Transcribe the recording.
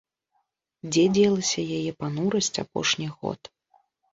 Дзе дзелася яе панурасць апошніх год.